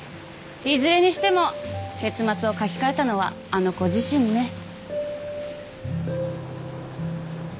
いずれにしても結末を書き換えたのはあの子自身ね。